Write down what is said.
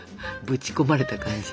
ぶち込まれた感じ。